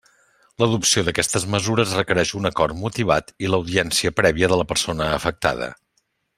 L'adopció d'aquestes mesures requereix un acord motivat i l'audiència prèvia de la persona afectada.